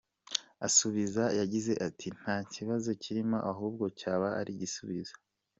Asubiza yagize ati “Nta kibazo kirimo ahubwo cyaba ari igisubizo.